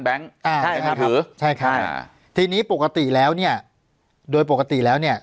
อ่าใช่มือถือใช่ใช่ทีนี้ปกติแล้วเนี่ยโดยปกติแล้วเนี่ย